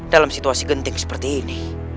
dalam situasi genting seperti ini